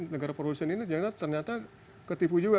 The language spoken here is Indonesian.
negara produsen ini ternyata ketipu juga